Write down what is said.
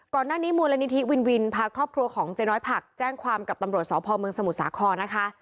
มูลนิธิวินวินพาครอบครัวของเจ๊น้อยผักแจ้งความกับตำรวจสพเมืองสมุทรสาครนะคะ